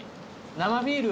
生ビール。